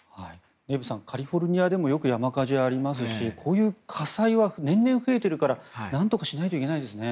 デーブさんカリフォルニアでもよく山火事がありますしこういう火災は年々増えているからなんとかしないといけないですね。